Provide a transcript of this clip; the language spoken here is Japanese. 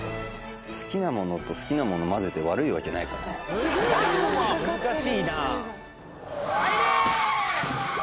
好きなものと好きなものまぜて悪いわけないから難しいなあ